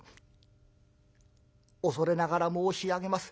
「恐れながら申し上げます。